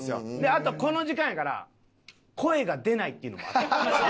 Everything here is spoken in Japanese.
あとこの時間やから声が出ないっていうのもある。